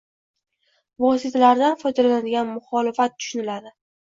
vositalardan foydalanadigan muxolifat tushuniladi.